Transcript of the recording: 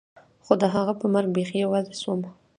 خو د هغه په مرګ بيخي يوازې سوم.